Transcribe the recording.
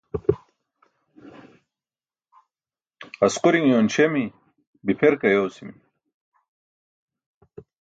Asqurin uyoon śemi, bipher ke ayosimi.